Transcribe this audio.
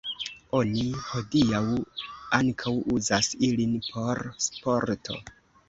Oni hodiaŭ ankaŭ uzas ilin por sporto.